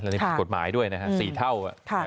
อันนี้ผิดกฎหมายด้วยนะฮะ๔เท่า